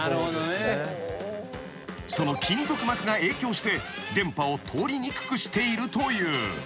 ［その金属膜が影響して電波を通りにくくしているという］